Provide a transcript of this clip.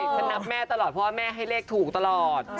ฉันนับแม่ตลอดเพราะว่าแม่ให้เลขถูกตลอด